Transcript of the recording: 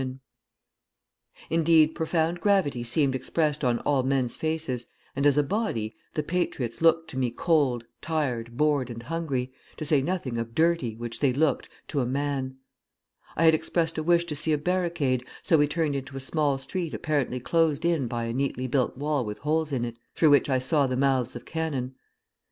"Indeed, profound gravity seemed expressed on all men's faces, and as a body, the patriots looked to me cold, tired, bored, and hungry, to say nothing of dirty, which they looked, to a man. I had expressed a wish to see a barricade, so we turned into a small street apparently closed in by a neatly built wall with holes in it, through which I saw the mouths of cannon.